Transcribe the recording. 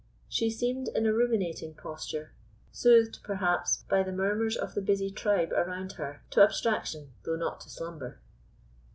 She seemed in a ruminating posture, soothed, perhaps, by the murmurs of the busy tribe around her to abstraction, though not to slumber.